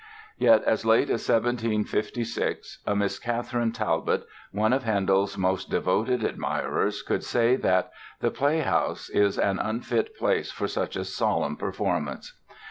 Yet as late as 1756 a Miss Catherine Talbot, one of Handel's most devoted admirers, could say that "the playhouse is an unfit place for such a solemn performance."